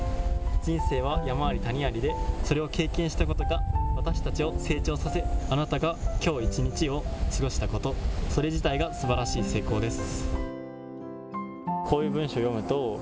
人生は山あり谷ありでそれを経験したことが私たちを成長させ、あなたがきょう一日を過ごしたこと、それ自体がすばらしい成功です。